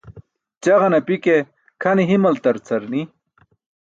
Ćaġan api ke kʰane himaltar car ni.